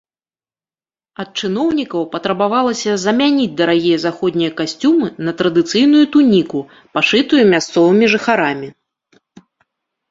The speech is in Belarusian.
Ад чыноўнікаў патрабавалася замяніць дарагія заходнія касцюмы на традыцыйную туніку, пашытую мясцовымі жыхарамі.